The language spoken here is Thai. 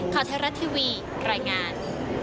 ขอเทศรัตน์ทีวีรายงาน